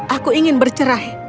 aku ingin bercerai